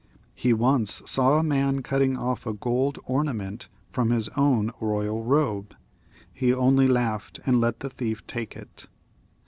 He once saw a man cutting off a gold ornament from his own royal robe ; he only laughed and let the thief take it.